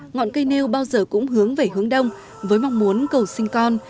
ngọn cây nêu bao giờ cũng hướng về hướng đông với mong muốn cầu sinh con